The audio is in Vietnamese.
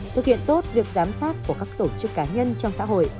thực hiện tốt việc giám sát của các tổ chức cá nhân trong xã hội